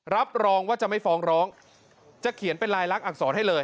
รับรองว่าจะไม่ฟ้องร้องจะเขียนเป็นลายลักษณอักษรให้เลย